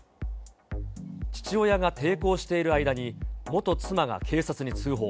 父親が抵抗している間に、元妻が警察に通報。